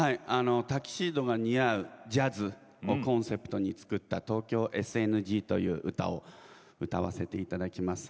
タキシードが似合うジャズをコンセプトに作った「東京ＳＮＧ」という歌を歌わせていただきます。